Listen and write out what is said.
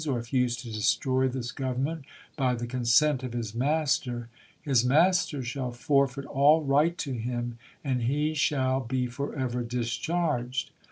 or if used to destroy this Government, by the con sent of his master, his master shall forfeit all right to him, and he shall be forever discharged.